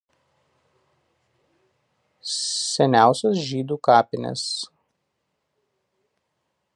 Seniausios žydų kapinės "ul.